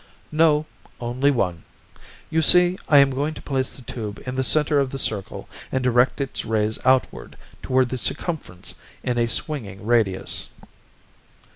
"No, only one. You see, I am going to place the tube in the center of the circle and direct its rays outward toward the circumference in a swinging radius."